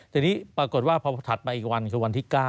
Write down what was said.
ทีนี้ปรากฏว่าพอถัดไปอีกวันคือวันที่๙